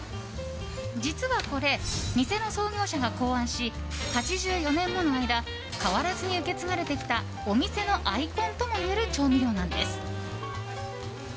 実はこれ、店の創業者が考案し８４年もの間変わらずに受け継がれてきたお店のアイコンともいえる調味料なんです。